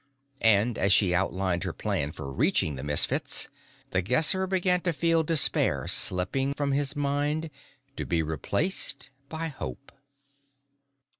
And, as she outlined her plan for reaching the Misfits, The Guesser began to feel despair slipping from his mind, to be replaced by hope.